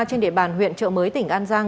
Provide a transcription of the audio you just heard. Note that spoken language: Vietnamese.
trên địa bàn huyện trợ mới tỉnh an giang